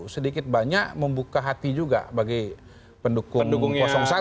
sedikit banyak membuka hati juga bagi pendukung satu